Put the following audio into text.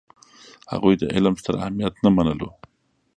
هغوی د علم ستر اهمیت نه منلو.